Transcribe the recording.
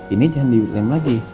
ini jangan dilem lagi